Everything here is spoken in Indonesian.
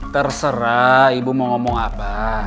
terserah ibu mau ngomong apa